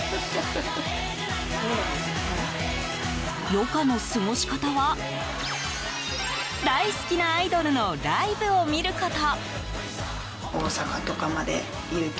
余暇の過ごし方は大好きなアイドルのライブを見ること。